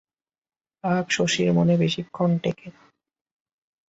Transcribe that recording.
রাগ শশীর মনে বেশিক্ষণ টেকে না।